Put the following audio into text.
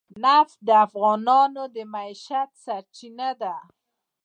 نفت د افغانانو د معیشت سرچینه ده.